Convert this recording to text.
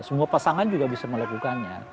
semua pasangan juga bisa melakukannya